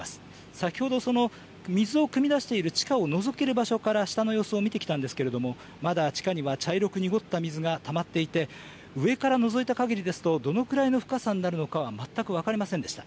先ほど、その水をくみ出している地下をのぞける場所から下の様子を見てきたんですけれども、まだ地下には茶色く濁った水がたまっていて、上からのぞいたかぎりですと、どのくらいの深さになるのかは全く分かりませんでした。